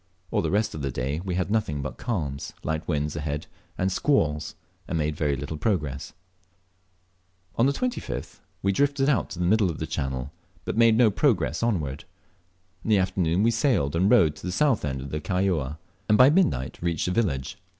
All the rest of the day we had nothing but calms, light winds ahead, and squalls, and made very little progress. On the 25th we drifted out to the middle of the channel, but made no progress onward. In the afternoon we sailed and rowed to the south end of Kaióa, and by midnight reached the village.